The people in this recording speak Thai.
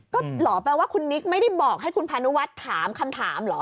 ก็หรอแปลว่าคุณนิกไม่ได้บอกให้คุณพานุวัฒน์ถามคำถามเหรอ